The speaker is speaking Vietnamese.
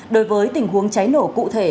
đối với tình huống cháy nổ cụ thể